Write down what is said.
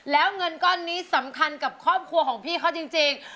แล้วเงินก้อนนี้สำคัญกับครอบครัวของพี่เขาจริง